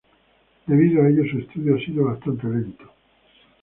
Debido a ello su estudio ha sido bastante lento.